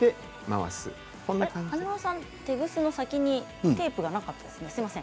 華丸さんテグスの先にテープがなかったですね、すみません。